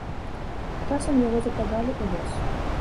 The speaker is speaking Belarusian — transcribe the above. Часам яго запрагалі ў воз.